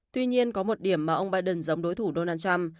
tuy nhiên có một điểm mà ông biden giống đối thủ donald trump